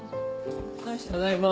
ただいま。